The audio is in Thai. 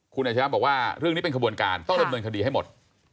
คุณอาชญะบอกว่าเรื่องนี้เป็นขบวนการต้องดำเนินคดีให้หมด